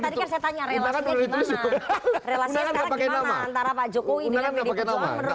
relasinya sekarang gimana antara pak jokowi dengan medi ketua